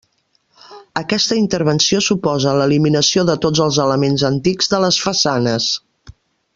Aquesta intervenció suposa l'eliminació de tots els elements antics de les façanes.